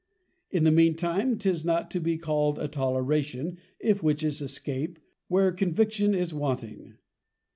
In the mean time 'tis not to be called a Toleration, if Witches escape, where Conviction is wanting.'